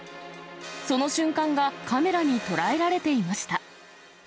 その瞬間がカメラに捉えられていました。